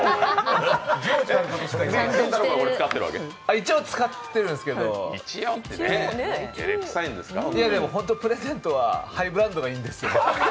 一応使ってるんですけどほんと、プレゼントはハイブランドがいいんですけど。